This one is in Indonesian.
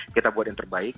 kita buat yang terbaik